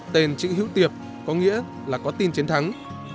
tên chữ hữu tiệp có nghĩa là có tin chiến thắng